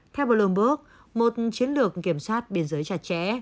theo bloomberg một chiến lược kiểm soát biên giới chặt chẽ